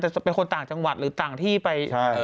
จะเป็นคนต่างจังหวัดหรือต่างที่ไป